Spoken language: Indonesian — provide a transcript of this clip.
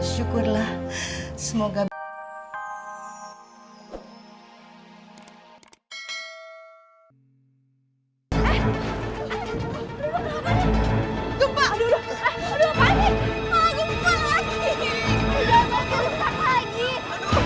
syukurlah semoga berhasil